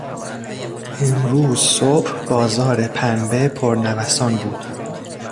امروز صبح بازار پنبه پر نوسان بود.